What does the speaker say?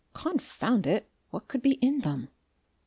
Confound it! what could be in them?